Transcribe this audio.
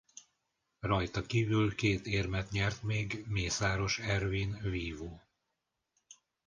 Rajta kívül két érmet nyert még Mészáros Ervin vívó.